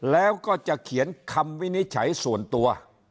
แล้วก็จะเขียนคำวินิจฉัยส่วนตัว